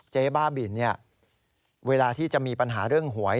บ้าบินเวลาที่จะมีปัญหาเรื่องหวย